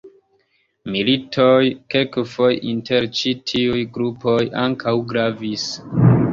Militoj, kelkfoje inter ĉi tiuj grupoj, ankaŭ gravis.